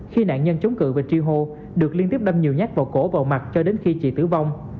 khi nạn nhân chống cự và tri hô được liên tiếp đâm nhiều nhát vào cổ vào mặt cho đến khi chị tử vong